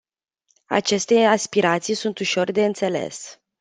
Aceste aspirații sunt ușor de înțeles.